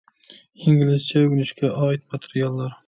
ئىنگلىزچە ئۆگىنىشكە ئائىت ماتېرىياللار